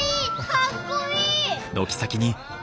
かっこいい！